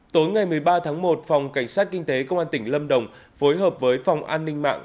tối ngày một mươi ba tháng một phòng cảnh sát kinh tế công an tỉnh lâm đồng phối hợp với phòng an ninh mạng